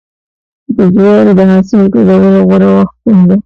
د جوارو د حاصل ټولولو غوره وخت کوم دی؟